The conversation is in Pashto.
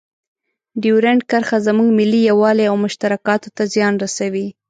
ډیورنډ کرښه زموږ ملي یووالي او مشترکاتو ته زیان رسوي.